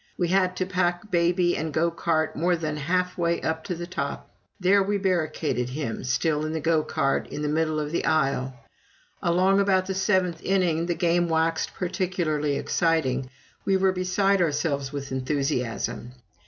We had to pack baby and go cart more than half way up to the top. There we barricaded him, still in the go cart, in the middle of the aisle. Along about the seventh inning, the game waxed particularly exciting we were beside ourselves with enthusiasm.